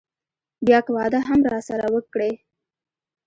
بيا که واده هم راسره وکړي.